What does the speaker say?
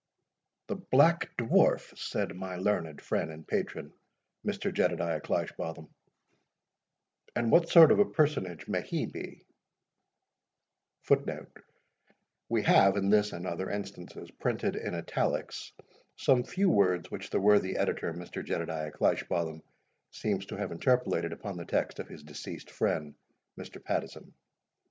"The Black Dwarf!" said MY LEARNED FRIEND AND PATRON, Mr. Jedediah Cleishbotham, "and what sort of a personage may he be?" [We have, in this and other instances, printed in italics (CAPITALS in this etext) some few words which the worthy editor, Mr. Jedediah Cleishbotham, seems to have interpolated upon the text of his deceased friend, Mr. Pattieson.